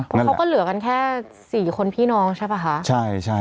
เพราะเขาก็เหลือกันแค่๔คนพี่น้องใช่ปะคะ